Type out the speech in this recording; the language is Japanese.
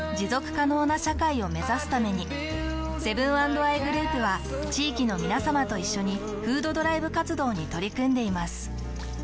セブン＆アイグループは地域のみなさまと一緒に「フードドライブ活動」に取り組んでいます。